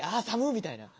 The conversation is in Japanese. みたいな。